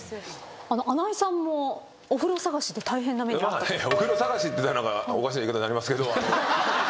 穴井さんもお風呂探しで大変な目に遭ったと。っておかしな言い方になりますけど。